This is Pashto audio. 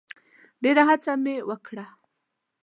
ډېره هڅه مي وکړه .